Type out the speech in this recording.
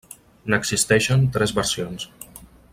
N'existeixen tres versions.